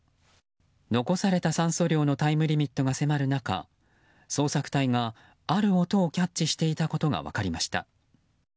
残された酸素量のタイムリミットが迫る中捜索隊がある音をキャッチしていたことが分かりました。